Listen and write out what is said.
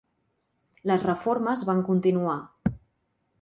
Les reformes van continuar.